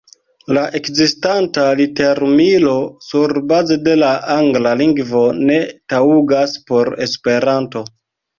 La ekzistanta literumilo surbaze de la angla lingvo ne taŭgas por Esperanto.